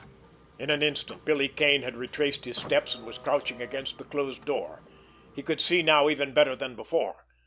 In an instant, Billy Kane had retraced his steps, and was crouching against the closed door. He could see now even better than before.